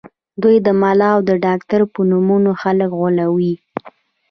دوی د ملا او ډاکټر په نومونو خلک غولوي